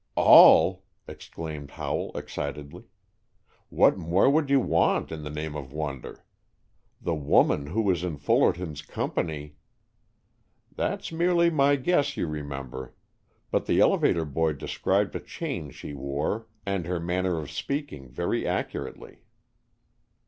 "All!" exclaimed Howell, excitedly. "What more would you want, in the name of wonder? The woman who was in Fullerton's company " "That's merely my guess, you remember. But the elevator boy described a chain she wore, and her manner of speaking very accurately."